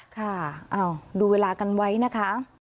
ค่ะดูเวลากันไว้นะคะ